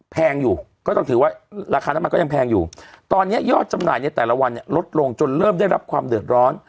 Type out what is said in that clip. แพงอยู่ก็ต้องถือว่าราคาน้ำมันก็ยังแพงอยู่ตอนนี้ยอดจำหน่ายในแต่ละวันเนี่ยลดลงจนเริ่มได้รับความเดือดร้อน